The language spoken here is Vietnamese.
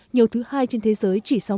nhiều thứ hai trên thế giới chỉ sau mỹ